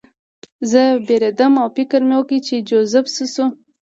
زه ووېرېدم او فکر مې وکړ چې جوزف څه شو